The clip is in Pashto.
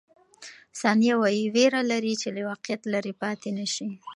ثانیه وايي، وېره لري چې له واقعیت لیرې پاتې نه شي.